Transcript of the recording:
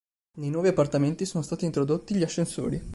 Nei nuovi appartamenti sono stati introdotti gli ascensori.